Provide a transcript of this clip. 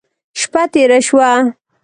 شپه تېره شوه.